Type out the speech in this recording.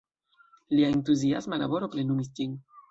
Lia entuziasma laboro plenumis ĝin.